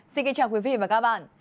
xin kính chào quý vị và các bạn